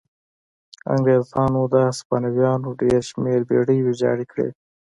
انګرېزانو د هسپانویانو ډېر شمېر بېړۍ ویجاړې کړې.